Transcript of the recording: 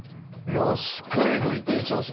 よしグイグイいい調子だ。